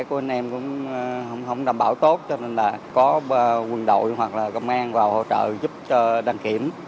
công an vào hỗ trợ giúp cho đăng kiểm